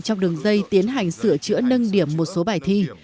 trong đường dây tiến hành sửa chữa nâng điểm một số bài thi